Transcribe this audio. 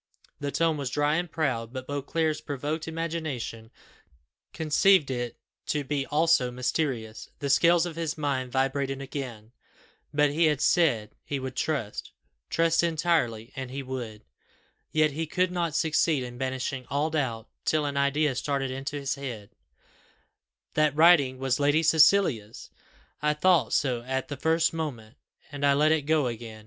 The tone was dry and proud, but Beauclerc's provoked imagination conceived it to be also mysterious; the scales of his mind vibrated again, but he had said he would trust trust entirely, and he would: yet he could not succeed in banishing all doubt, till an idea started into his head "That writing was Lady Cecilia's! I thought so at the first moment, and I let it go again.